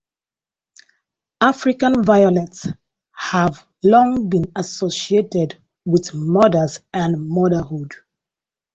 African violets have long been associated with mothers and motherhood.